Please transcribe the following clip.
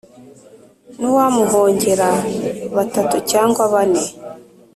N'uwamuhongera batatu cyangwa bane